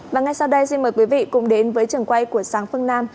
và ngay sau đây xin mời quý vị cùng đến với trường quay của sáng phương nam